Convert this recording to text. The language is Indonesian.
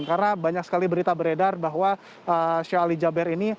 karena banyak sekali berita beredar bahwa sheikh ali jaber ini